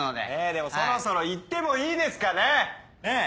でもそろそろ言ってもいいですかね？ねぇ。